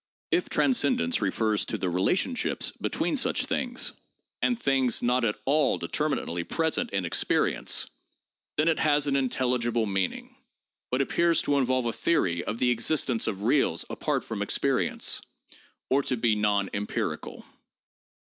If transcendence refers to the relationships between such things, and things not at all determinately present in experience, then it has an intelligible meaning, but appears to involve a theory of the existence of reals apart from experience— or to be non empirical.